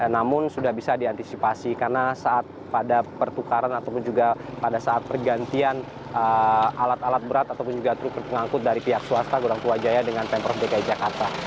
namun sudah bisa diantisipasi karena saat pada pertukaran ataupun juga pada saat pergantian alat alat berat ataupun juga truk pengangkut dari pihak swasta gorang tuajaya dengan pemprov dki jakarta